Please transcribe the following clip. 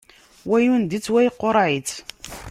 Wa yundi-tt, wa iquṛeɛ-tt.